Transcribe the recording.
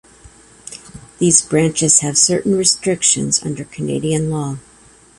These branches have certain restrictions under Canadian law.